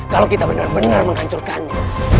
kalau kita benar benar menghancurkannya